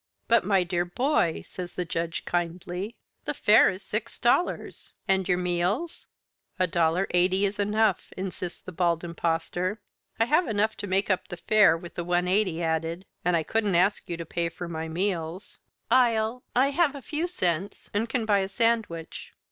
"But, my dear boy!" says the Judge kindly. "The fare is six dollars. And your meals?" "A dollar eighty is enough," insists the Bald Impostor. "I have enough to make up the fare, with one eighty added. And I couldn't ask you to pay for my meals. I'll I have a few cents and can buy a sandwich."